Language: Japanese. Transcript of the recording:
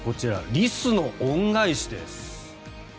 リスの恩返しです。